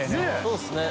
そうですね